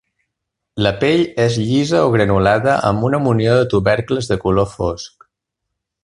La pell és llisa o granulada amb una munió de tubercles de color fosc.